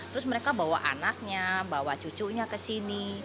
terus mereka bawa anaknya bawa cucunya ke sini